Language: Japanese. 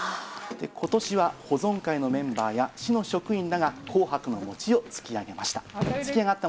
ことしは保存会のメンバーや市の職員らが、紅白の餅をつき上げました。